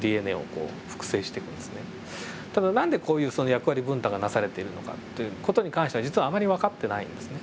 ただ何でこういう役割分担がなされているのかという事に関しては実はあまり分かってないんですね。